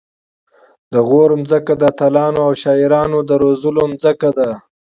د غور ځمکه د اتلانو او شاعرانو د روزلو ځمکه ده